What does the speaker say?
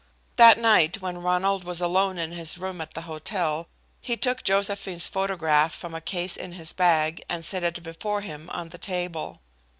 That night, when Ronald was alone in his room at the hotel, he took Josephine's photograph from a case in his bag and set it before him on the table.